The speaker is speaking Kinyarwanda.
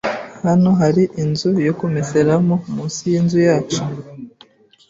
Hano hari inzu yo kumeseramo munsi yinzu yacu.